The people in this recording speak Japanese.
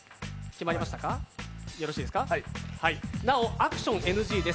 なお、アクションＮＧです。